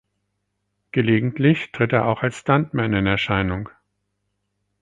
Gelegentlich tritt er auch als Stuntman in Erscheinung.